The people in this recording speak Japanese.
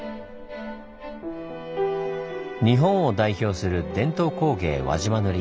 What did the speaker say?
日本を代表する伝統工芸輪島塗。